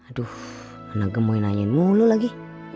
aduh mana gemun nanyain mulu lagi